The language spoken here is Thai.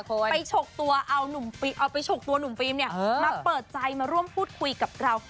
ไปฉกตัวหนุ่มฟรีมเนี่ยมาเปิดใจมาร่วมพูดคุยกับเรา